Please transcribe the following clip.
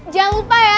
jangan lupa ya